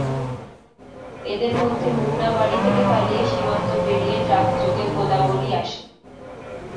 এদের মধ্যে মুন্না বাড়ি থেকে পালিয়ে সীমান্ত পেরিয়ে ট্রাকযোগে গোদাবরী আসে।